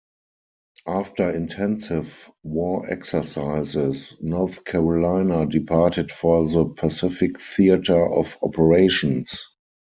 After intensive war exercises, "North Carolina" departed for the Pacific theater of Operations.